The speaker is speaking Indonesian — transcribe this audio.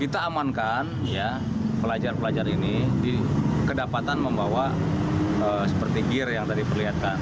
kita amankan pelajar pelajar ini kedapatan membawa seperti gear yang tadi perlihatkan